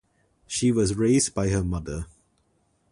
She was raised by her mother.